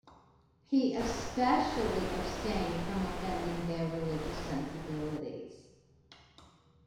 He especially abstained from offending their religious sensibilities.